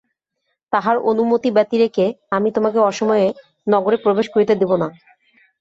তাঁহার অনুমতি ব্যতিরেকে আমি তোমাকে অসময়ে নগরে প্রবেশ করিতে দিব না।